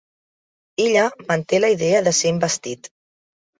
Illa manté la idea de ser investit.